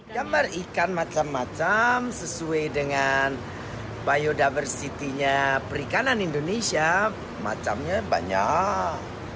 gambar ikan macam macam sesuai dengan biodiversity nya perikanan indonesia macamnya banyak